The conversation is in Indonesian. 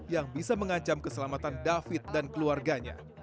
yang bisa mengancam keselamatan david dan keluarganya